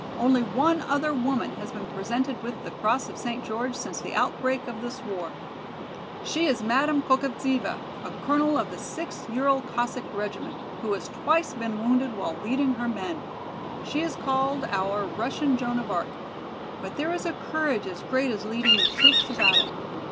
Only one other woman has been presented with the Cross of St. George since the outbreak of this war. She is Madame Kokavtseva, a colonel of the Sixth Ural Cossack Regiment, who has twice been wounded while leading her men. She is called our 'Russian Joan of Arc.' But there is a courage as great as leading troops to battle.